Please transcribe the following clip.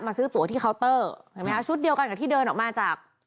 ซื้อตัวที่เคาน์เตอร์เห็นไหมคะชุดเดียวกันกับที่เดินออกมาจาก